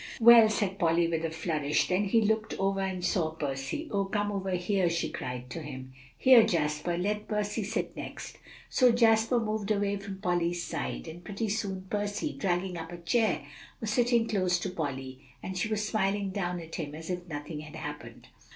"Well," said Polly with a flourish then she looked over and saw Percy. "Oh, come over here!" she cried to him. "Here, Jasper, let Percy sit next;" so Jasper moved away from Polly's side; and pretty soon Percy, dragging up a chair, was sitting close to Polly, and she was smiling down at him as if nothing had happened.